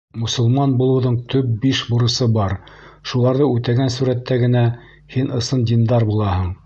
Мосолман булыуҙың төп биш бурысы бар, шуларҙы үтәгән сүрәттә генә һин ысын диндар булаһың.